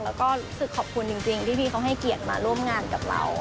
แล้วก็รู้สึกขอบคุณจริงที่พี่เขาให้เกียรติมาร่วมงานกับเรา